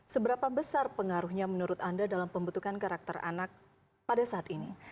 seberapa besar pengaruhnya menurut anda dalam pembentukan karakter anak pada saat ini